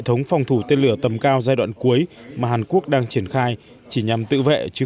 hệ thống phòng thủ tên lửa tầm cao giai đoạn cuối mà hàn quốc đang triển khai chỉ nhằm tự vệ trước